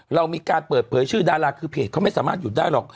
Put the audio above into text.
เรามีการเปิดเผยชื่อดาราคือเพจเขาไม่สามารถหยุดได้หรอก